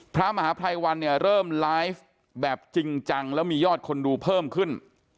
พระมหาภัยวันเนี่ยเริ่มไลฟ์แบบจริงจังแล้วมียอดคนดูเพิ่มขึ้น